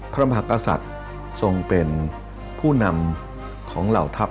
พระมหากษัตริย์ทรงเป็นผู้นำของเหล่าทัพ